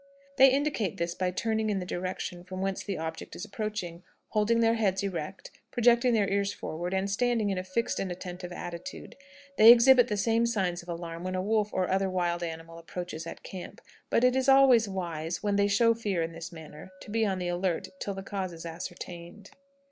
They indicate this by turning in the direction from whence the object is approaching, holding their heads erect, projecting their ears forward, and standing in a fixed and attentive attitude. They exhibit the same signs of alarm when a wolf or other wild animal approaches the camp; but it is always wise, when they show fear in this manner, to be on the alert till the cause is ascertained.